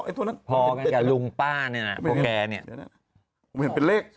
พอกันค่ะหลุงป้านี่น้าบวงแกเนี้ย